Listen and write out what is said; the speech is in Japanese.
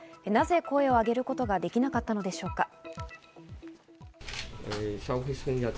なぜ声を上げることができなかったのでしょうか。